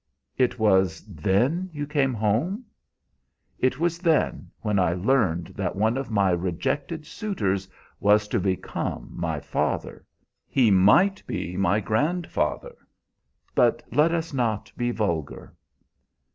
"It was then you came home?" "It was then, when I learned that one of my rejected suitors was to become my father. He might be my grandfather. But let us not be vulgar!"